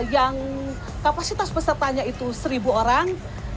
yang kapasitas pesertanya itu seribu orang